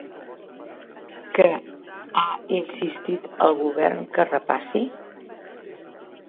Què ha insistit al govern que repassi?